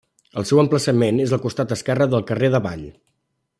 El seu emplaçament és al costat esquerre del carrer d'Avall.